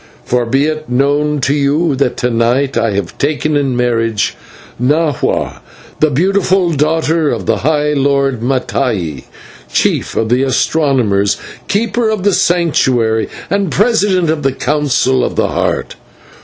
For be it known to you that to night I have taken in marriage Nahua the Beautiful, daughter of the High Lord Mattai, Chief of the Astronomers, Keeper of the Sanctuary, and President of the Council of the Heart.